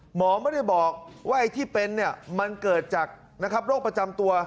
หมอไม่ได้บอกว่าไอ้ที่เป็นมันเกิดจากโรคประจำตัว